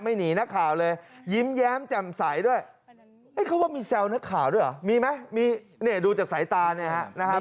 หนีนักข่าวเลยยิ้มแย้มแจ่มใสด้วยเขาว่ามีแซวนักข่าวด้วยเหรอมีไหมมีเนี่ยดูจากสายตาเนี่ยฮะนะครับ